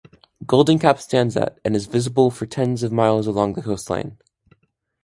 Golden Cap stands at and is visible for tens of miles along the coastline.